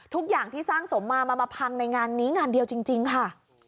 ทุกอย่างที่สร้างสมมามันมาพังในงานนี้งานเดียวจริงค่ะ